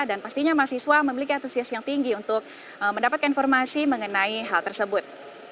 dan pastinya mahasiswa memiliki antusiasme yang tinggi untuk mendapatkan informasi mengenai hal tersebut